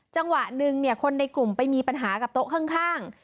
จังหวะหนึ่งคนในกลุ่มไปมีปัญหากับโต๊ะข้าง